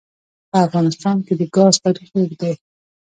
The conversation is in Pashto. په افغانستان کې د ګاز تاریخ اوږد دی.